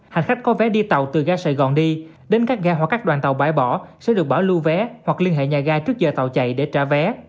hành khách có vé đi tàu từ ga sài gòn đi đến các ga hoặc các đoàn tàu bãi bỏ sẽ được bảo lưu vé hoặc liên hệ nhà ga trước giờ tàu chạy để trả vé